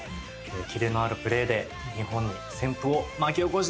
切れのあるプレーで日本に旋風を巻き起こしてください。